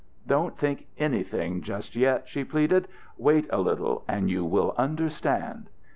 "Don't think anything just yet," she pleaded. "Wait a little, and you will understand."